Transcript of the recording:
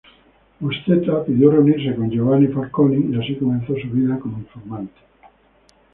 Buscetta pidió reunirse con Giovanni Falcone y así comenzó su vida como informante.